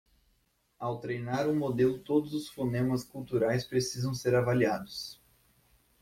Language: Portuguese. ao treinar um modelo todos os fonemas culturais precisam ser avaliados